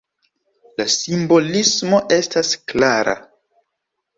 La simbolismo estas klara.